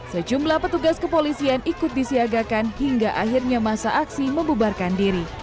sejumlah petugas kepolisian ikut disiagakan hingga akhirnya masa aksi membubarkan diri